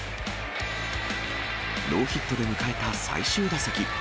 ノーヒットで迎えた最終打席。